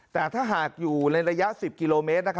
แต่ถ้าหากอยู่ในระยะ๑๐กิโลเมตร